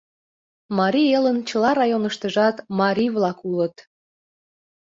— Марий Элын чыла районыштыжат марий-влак улыт.